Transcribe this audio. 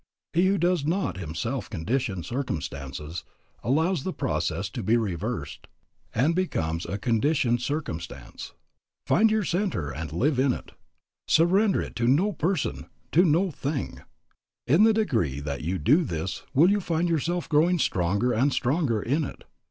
He who does not himself condition circumstances allows the process to be reversed, and becomes a conditioned circumstance. Find your centre and live in it. Surrender it to no person, to no thing. In the degree that you do this will you find yourself growing stronger and stronger in it.